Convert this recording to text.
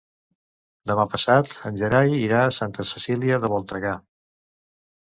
Demà passat en Gerai irà a Santa Cecília de Voltregà.